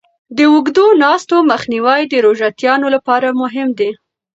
د اوږدو ناستو مخنیوی د روژهتیانو لپاره مهم دی.